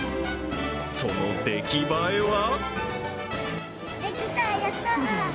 その出来栄えは？